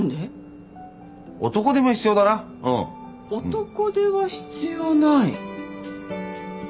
男手は必要ない。